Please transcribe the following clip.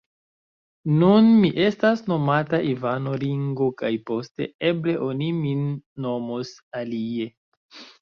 Nun mi estas nomata Ivano Ringo kaj poste, eble, oni min nomos alie.